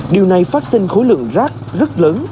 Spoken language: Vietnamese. điều này phát sinh khối lượng rác rất lớn